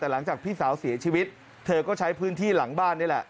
แต่หลังจากพี่สาวเสียชีวิตเธอก็ใช้พื้นที่หลังบ้านนี่แหละ